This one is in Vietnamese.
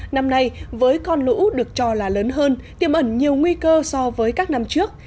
năm nay với con lũ được cho là lớn hơn tiêm ẩn nhiều nguy cơ so với các năm trước